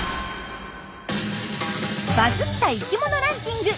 バズった生きものランキング